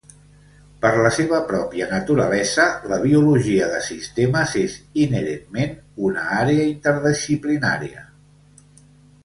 Per la seva pròpia naturalesa, la biologia de sistemes és inherentment una àrea interdisciplinària.